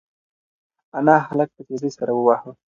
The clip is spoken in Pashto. انا هلک په تېزۍ سره وواهه.